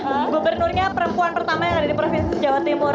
alhamdulillah perempuan pertama yang ada di provinsi jawa timur